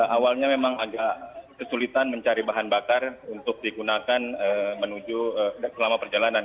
awalnya memang agak kesulitan mencari bahan bakar untuk digunakan selama perjalanan